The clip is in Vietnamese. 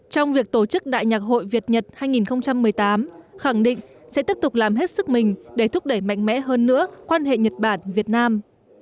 trong việc tổ chức đại nhạc hội việt nhật hai nghìn một mươi tám khẳng định sẽ tiếp tục làm hết sức mình để thúc đẩy mạnh mẽ hơn nữa quan hệ nhật bản việt nam